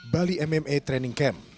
bali mma training camp